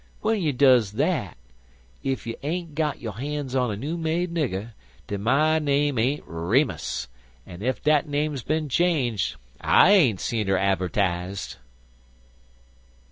W'en you does dat, ef you ain't got yo' han's on a new made nigger, den my name ain't Remus, an' ef dat name's bin changed I ain't seen her abbertized."